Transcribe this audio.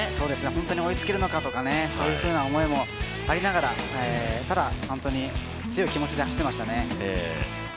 本当に追いつけるのかとかそういうふうな思いもありながらただ本当に、強い気持ちで走っていましたね。